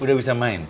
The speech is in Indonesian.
udah bisa main